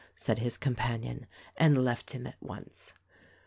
said his companion and left him at once.